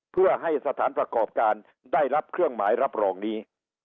เพื่อให้สถานประกอบการได้รับเครื่องหมายรับรองนี้